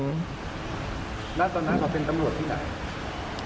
แล้วตอนนั้นเขาเป็นตำรวจที่ไหน